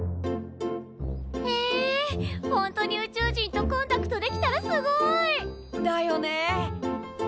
へえほんとに宇宙人とコンタクトできたらすごい！だよね！